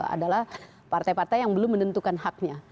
adalah partai partai yang belum menentukan haknya